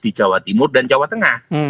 di jawa timur dan jawa tengah